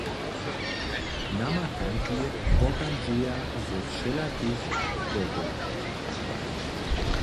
Namakanki pochadźeja ze wšelakich dobow.